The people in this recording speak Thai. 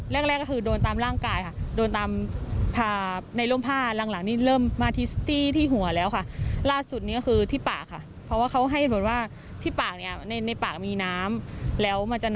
แล้วยังไม่รับไปหาหมอด้วยเหรอ